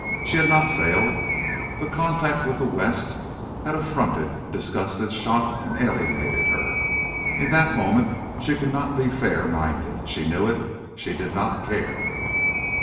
She had not failed. But contact with the West had affronted, disgusted, shocked, and alienated her. In that moment she could not be fair minded; she knew it; she did not care.